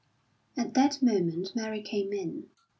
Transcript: At that moment Mary came in.